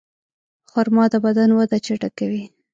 خرما د بدن وده چټکوي.